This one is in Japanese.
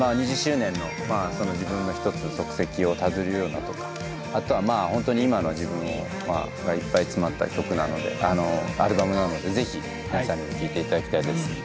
２０周年の自分の１つ足跡をたどるようなとかあとはホントに今の自分がいっぱい詰まった曲なのでアルバムなのでぜひ皆さんにも聴いていただきたいです。